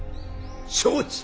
承知！